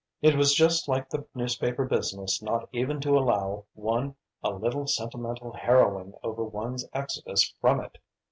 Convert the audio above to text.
It was just like the newspaper business not even to allow one a little sentimental harrowing over one's exodus from it.